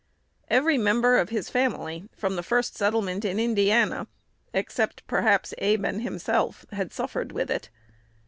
Every member of his family, from the first settlement in Indiana, except perhaps Abe and himself, had suffered with it.